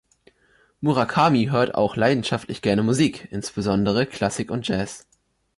Murakami hört auch leidenschaftlich gerne Musik, insbesondere Klassik und Jazz.